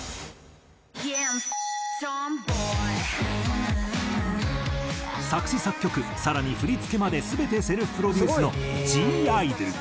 「ＹｅＩ’ｍａＴｏｍｂｏｙ」作詞・作曲更に振り付けまで全てセルフプロデュースのＩ−ＤＬＥ。